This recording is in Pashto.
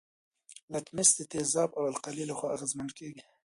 لتمس د تیزاب او القلي له خوا اغیزمن کیږي.